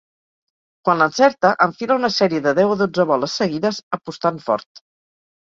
Quan l'encerta enfila una sèrie de deu o dotze boles seguides apostant fort.